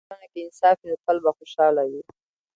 که په ټولنه کې انصاف وي، نو تل به خوشحاله وي.